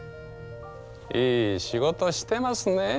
いい仕事してますねえ。